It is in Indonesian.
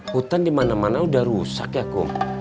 hutan dimana mana udah rusak ya kum